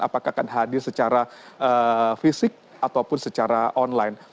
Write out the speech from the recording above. apakah akan hadir secara fisik ataupun secara online